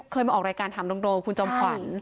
เคยมาออกรายการถามโรงของคุณจอมขวัญ